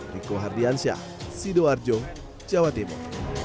dikuhardiansyah sido arjo jawa timur